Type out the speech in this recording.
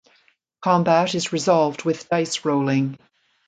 Combat is resolved with dice rolling.